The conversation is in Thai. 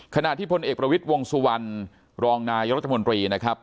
ขณะที่พลเอกประวิทย์วงสุวรรณรองนายรัฐมนตรีนะครับ